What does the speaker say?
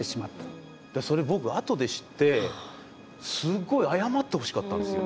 それ僕後で知ってすごい謝ってほしかったんですよ。